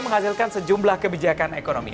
menghasilkan sejumlah kebijakan ekonomi